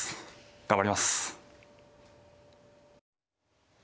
頑張ります！